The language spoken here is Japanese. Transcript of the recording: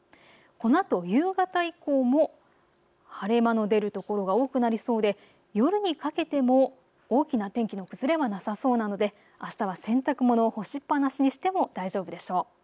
このあと夕方以降も晴れ間の出る所が多くなりそうで夜にかけても大きな天気の崩れはなさそうなのであしたは洗濯物を干しっぱなしにしても大丈夫でしょう。